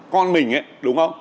con mình đúng không